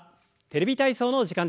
「テレビ体操」の時間です。